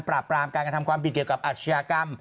ปราบปรามการกระทำความผิดเกี่ยวกับอาชญากรรม